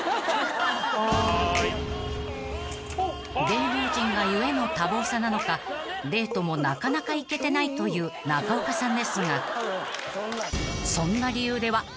［芸能人が故の多忙さなのかデートもなかなか行けてないという中岡さんですが］